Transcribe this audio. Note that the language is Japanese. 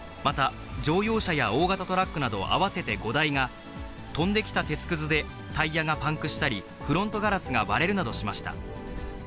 また、乗用車や大型トラックなど合わせて５台が、飛んできた鉄くずでタイヤがパンクしたり、フロントガラスが割れるなどしました。